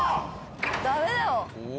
ダメだよ！